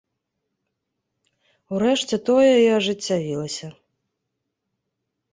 Урэшце тое і ажыццявілася.